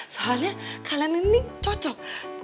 soalnya kalian ini cocok